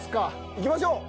いきましょう。